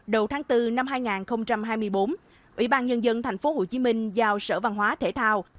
đầu tháng bốn năm hai nghìn hai mươi bốn ủy ban nhân dân tp hcm giao sở văn hóa thể thao